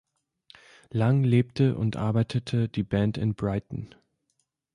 Lange lebte und arbeitete die Band in Brighton.